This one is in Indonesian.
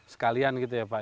sekalian gitu ya pak